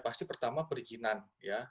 pasti pertama perizinan ya